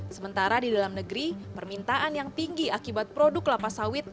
sementara di dalam negeri permintaan yang tinggi akibat produk kelapa sawit